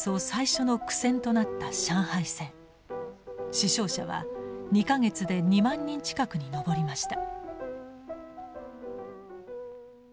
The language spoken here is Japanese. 死傷者は２か月で２万人近くに上りました。